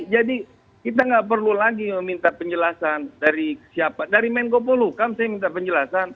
jadi kita nggak perlu lagi meminta penjelasan dari siapa dari menko polukam saya minta penjelasan